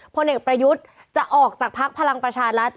พลเอกประยุทธ์จะออกจากภักดิ์พลังประชารัฐ